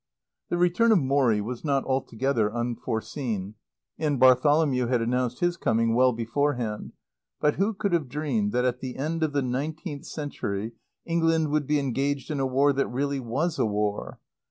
The return of Morrie was not altogether unforeseen, and Bartholomew had announced his coming well beforehand, but who could have dreamed that at the end of the nineteenth century England would be engaged in a War that really was a War?